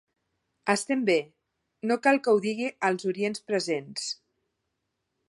Estem bé, no cal que ho digui als orients presents.